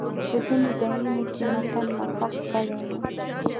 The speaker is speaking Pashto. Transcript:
په ځینو ځایونو کې یې متن مسخ کړی دی.